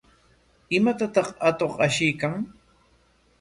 ¿Imatataq atuq ashiykan?